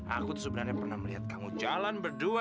aku tuh sebenarnya pernah melihat kamu jalan berdua